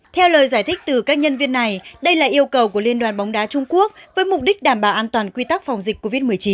theo lời giải thích từ các nhân viên này đây là yêu cầu của liên đoàn bóng đá trung quốc với mục đích đảm bảo an toàn quy tắc phòng dịch covid một mươi chín